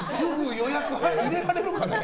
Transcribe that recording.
予約入れられるかね？